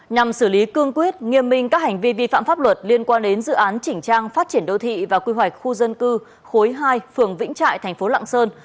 nhằm xử lý cương quyết nghiêm minh các hành vi vi phạm pháp luật liên quan đến dự án chỉnh trang phát triển đô thị và quy hoạch khu dân cư khối hai phường vĩnh trại thành phố lạng sơn